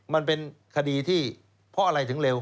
มันเป็นคดีที่เพราะอะไรถึงเร็ว